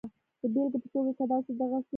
د بېلګې په توګه که تاسې د غسې احساس ولرئ